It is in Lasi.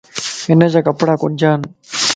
ھنجا ڪپڙا ڪنجان